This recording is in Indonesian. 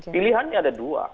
pilihannya ada dua